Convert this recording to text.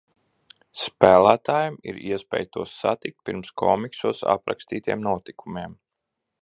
Spēlētājam ir iespēja tos satikt pirms komiksos aprakstītiem notikumiem.